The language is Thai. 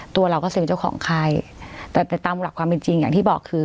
ตัวเราก็เซ็นไว้เจ้าของใครแต่แต่ตามหลักความจริงจริงอย่างที่บอกคือ